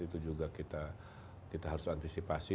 itu juga kita harus antisipasi